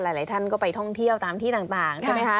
หลายท่านก็ไปท่องเที่ยวตามที่ต่างใช่ไหมคะ